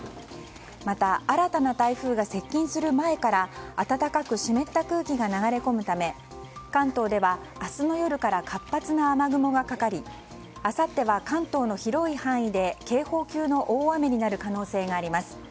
また、新たな台風が接近する前から暖かく湿った空気が流れ込むため関東では明日の夜から活発な雨雲がかかりあさっては関東の広い範囲で警報級の大雨になる可能性があります。